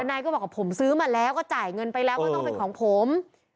นายก็บอกว่าผมซื้อมาแล้วก็จ่ายเงินไปแล้วก็ต้องเป็นของผม